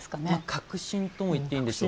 確信としてもいっていいんでしょうか。